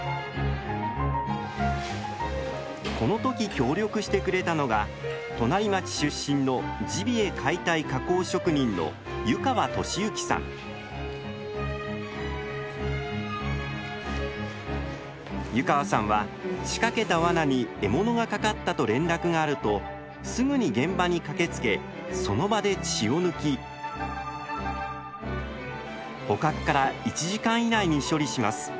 この時協力してくれたのが隣町出身のジビエ解体・加工職人の湯川さんは仕掛けたワナに獲物が掛かったと連絡があるとすぐに現場に駆けつけその場で血を抜き捕獲から１時間以内に処理します。